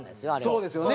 そうですよね。